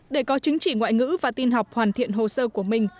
để có chứng chỉ ngoại ngữ và tin học hoàn thiện hồ sơ của mình